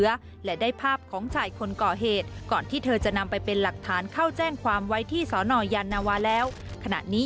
เขาจะเสียใจแล้วเขาจะทำอะไรมากกว่านี้